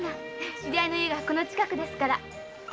知り合いの家がこの近くですから。